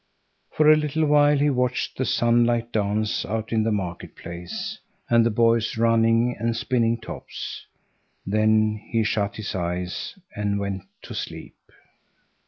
For a little while he watched the sunlight dance out in the market place and the boys running and spinning tops—then he shut his eyes and went to sleep.